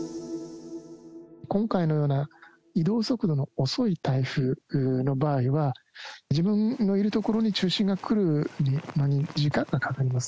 今回のような移動速度の遅い台風の場合は、自分のいる所に中心が来るまでに時間がかかります。